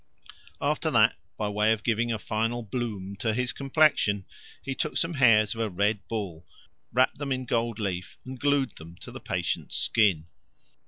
After that, by way of giving a final bloom to his complexion, he took some hairs of a red bull, wrapt them in gold leaf, and glued them to the patient's skin.